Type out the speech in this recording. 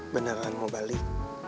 beneran mau balik